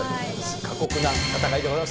過酷な戦いでございます。